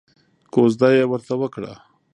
کوژده یې ورته وکړه.